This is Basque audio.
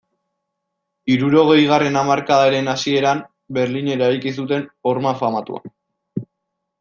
Hirurogeigarren hamarkadaren hasieran Berlinen eraiki zuten horma famatua.